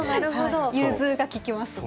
融通が利きますね。